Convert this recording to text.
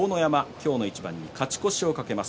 今日の一番に勝ち越しを懸けます。